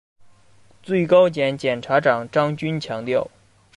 最高检检察长张军强调